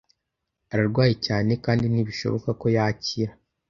Ararwaye cyane kandi ntibishoboka ko yakira.